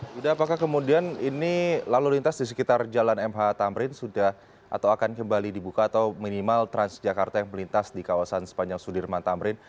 yuda apakah kemudian ini lalu lintas di sekitar jalan mh tamrin sudah atau akan kembali dibuka atau minimal transjakarta yang melintas di kawasan sepanjang sudirman tamrin